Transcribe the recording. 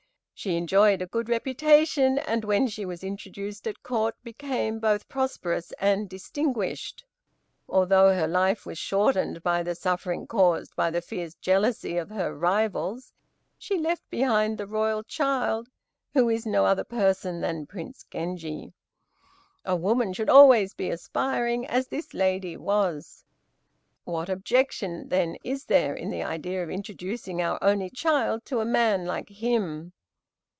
She enjoyed a good reputation, and when she was introduced at Court, became both prosperous and distinguished. Although her life was shortened by the suffering caused by the fierce jealousy of her rivals, she left behind the royal child, who is no other person than Prince Genji. A woman should always be aspiring, as this lady was. What objection then is there in the idea of introducing our only child to a man like him?